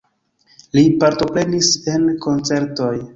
Li partoprenis en koncertoj.